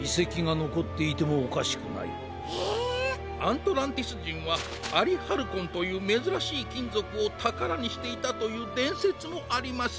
アントランティスじんはアリハルコンというめずらしいきんぞくをたからにしていたというでんせつもあります。